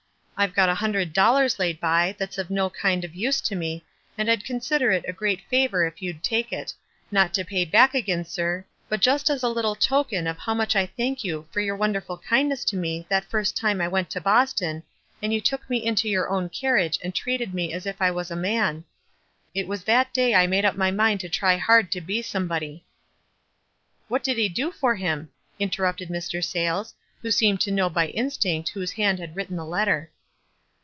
I've got a hundred dollars laid by, that's of no kind of use to me, and I'd consider it a great favor if you'd take it ; not to pay back again, sir, but just as a little token of how much I thank you for your wonderful kindness to me that first time I went to Boston, and you took me into your own carriage and treated me as if I was a man ; it was that day I made up my mind to try hard to be somebody." "What did he do for him?" interrupted Mr. Sayles, who seemed to know by instinct whose hand had written the letter.